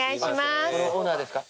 ここのオーナーですか？